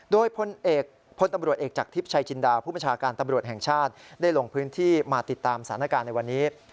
โดยพลตำรวจเอกจากทิพย์ชัยจินดาผู้บัญชาการตำรวจแห่งชาติได้ลงพื้นที่มาติดตามสถานการณ์ในวันนี้